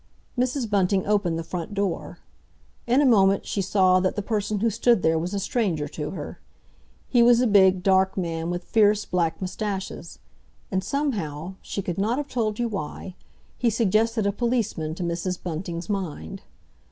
Mrs. Bunting opened the front door. In a moment she saw that the person who stood there was a stranger to her. He was a big, dark man, with fierce, black moustaches. And somehow—she could not have told you why—he suggested a policeman to Mrs. Bunting's mind.